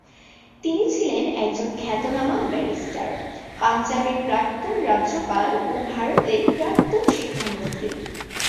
তিনি ছিলেন একজন খ্যাতনামা ব্যারিস্টার, পাঞ্জাবের প্রাক্তন রাজ্যপাল ও ভারতের প্রাক্তন শিক্ষামন্ত্রী।